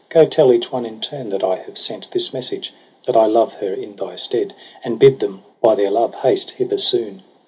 Go tell each one in turn that I have sent This message, that I love her in thy stead j And bid them by their love haste hither soon.'